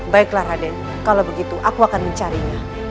baiklah raden kalau begitu aku akan mencarinya